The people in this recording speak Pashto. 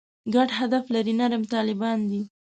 ګډ هدف لري «نرم طالبان» دي.